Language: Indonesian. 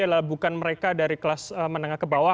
adalah bukan mereka dari kelas menengah ke bawah